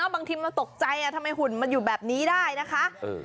บางทีมันตกใจทำไมหุ่นมันอยู่แบบนี้ได้นะคะ